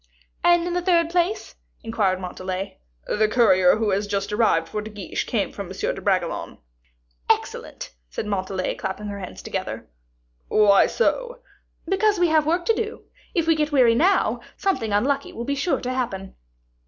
"And in the third place?" inquired Montalais. "The courier who has just arrived for De Guiche came from M. de Bragelonne." "Excellent," said Montalais, clapping her hands together. "Why so?" "Because we have work to do. If we get weary now, something unlucky will be sure to happen."